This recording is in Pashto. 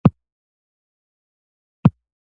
بمبړې چیچلو سره درد پیدا کوي